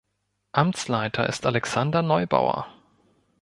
Amtsleiter ist Alexander Neubauer.